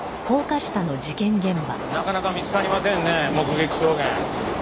なかなか見つかりませんね目撃証言。